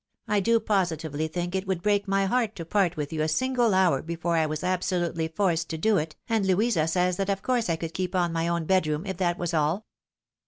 I do positively think it would break my heart to part with you a single hour before I was absolutely forced to do it, and Louisa says that of course I could keep on my own bedroom, if that was all."